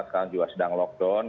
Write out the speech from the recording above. sekarang juga sedang lockdown